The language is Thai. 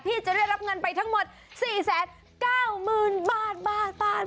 พี่จะได้รับเงินไปทั้งหมด๔๙๐บาท